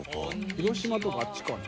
広島とかあっちかな？